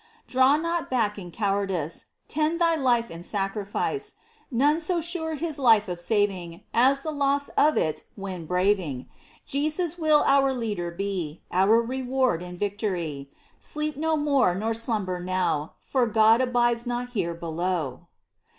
Draw not back in cowardice ; Tend thy life in sacrifice ; None so sure his life of saving As the loss of it when braving. Jesus will our Leader be, Our Reward in victory : Sleep no more nor slumber now, For God abides not here below